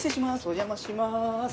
お邪魔します